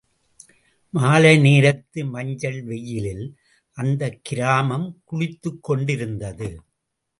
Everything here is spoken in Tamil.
மாலை நேரத்து மஞ்சள் வெயிலில் அந்தக் கிராமம் குளித்துக் கொண்டிருந்தது.